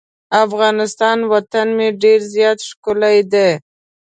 افغانستان وطن مې ډیر زیات ښکلی دی.